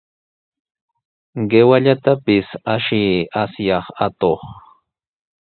¡Qiwallatapis ashiy, asyaq atuq!